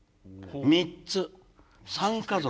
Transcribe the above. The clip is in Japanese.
３つ３家族。